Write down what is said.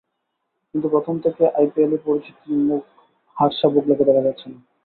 কিন্তু প্রথম থেকে আইপিএলের পরিচিত মুখ হার্শা ভোগলেকে দেখা যাচ্ছে না।